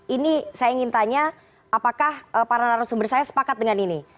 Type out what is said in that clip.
ini saya ingin tanya apakah para narasumber saya sepakat dengan ini